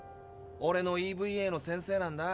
オレのＥＶＡの先生なんだ。